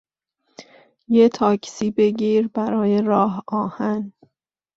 یه تاکسی بگیر برای راهآهن